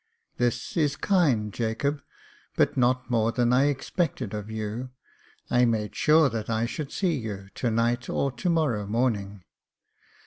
" This is kind, Jacob, but not more than I expected of you— ^I made sure that I should see you to night or to morrow morning.